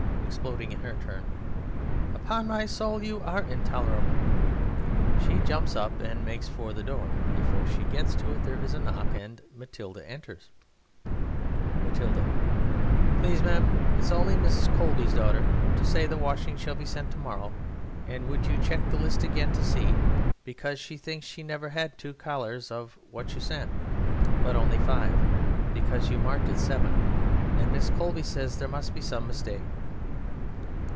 (Exploding in her turn.) Upon my soul, you are intolerable! (She jumps up and makes for the door. Before she gets to it there is a knock and MATILDA enters.) MATILDA: Please, m'm, it's only Mrs. Cobley's daughter To say the washing shall be sent to morrow, And would you check the list again and see, Because she thinks she never had two collars Of what you sent, but only five, because You marked it seven; and Mrs. Cobley says There must be some mistake.